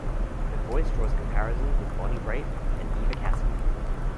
Her voice draws comparisons with Bonnie Raitt and Eva Cassidy.